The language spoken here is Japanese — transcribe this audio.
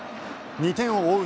２点を追う